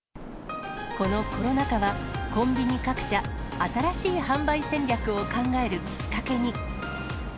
このコロナ禍は、コンビニ各社、新しい販売戦略を考えるきっかけに。